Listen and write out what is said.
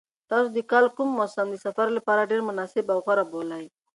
تاسو د کال کوم موسم د سفر لپاره ډېر مناسب او غوره بولئ؟